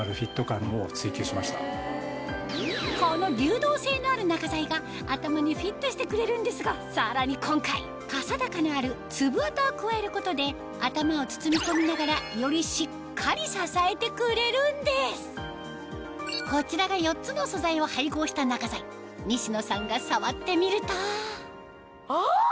この流動性のある中材が頭にフィットしてくれるんですがさらに今回かさ高のあるつぶわたを加えることで頭を包み込みながらよりしっかり支えてくれるんですこちらが４つの素材を配合した中材西野さんが触ってみるとあ！